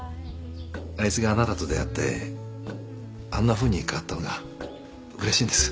あいつがあなたと出会ってあんなふうに変わったのがうれしいんです。